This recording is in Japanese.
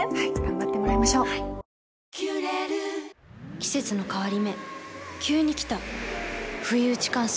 季節の変わり目急に来たふいうち乾燥。